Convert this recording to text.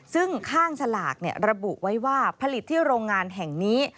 ซึ่งข้างสลากระบุไว้ว่าผลิตที่โรงงานแห่งนี้